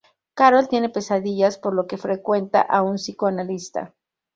Carol tiene pesadillas por lo que frecuenta a un psicoanalista.